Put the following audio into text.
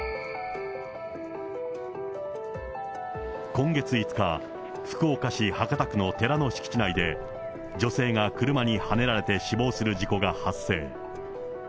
今月５日、福岡市博多区の寺の敷地内で、女性が車にはねられて死亡する事故が発生。